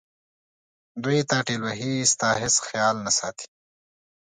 دوی تا ټېل وهي ستا هیڅ خیال نه ساتي.